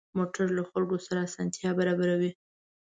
موټر له خلکو سره اسانتیا برابروي.